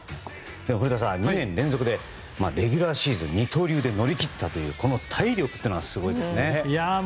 古田さん、２年連続でレギュラーシーズン二刀流で乗り切ったというこの体力はすごいですね。